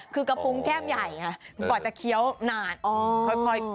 คือกระพุงแก้มใหญ่ไงกว่าจะเคี้ยวนานค่อย